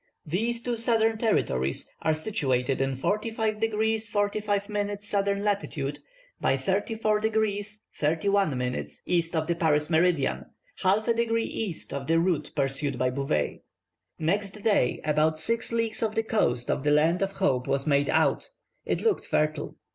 "These two southern territories are situated in 45 degrees 45 minutes S. lat. by 34 degrees 31 minutes east of the Paris meridian, half a degree east of the route pursued by Bouvet. Next day, about six leagues of the coast of the land of Hope was made out. It looked fertile.